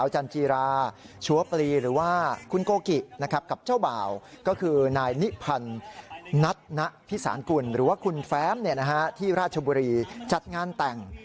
หรือว่าคุณแฟมที่ราชบุรีจัดงานแต่ง